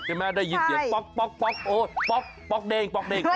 ใช่ใช่ไหมได้ยินเตี๋ยวป๊อกโอ๊ยป๊อกเด็ง